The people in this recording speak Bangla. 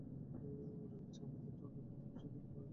মনে হচ্ছে, আমাদেরকে টর্নেডোর বিপদসংকেত জারী করা লাগবে!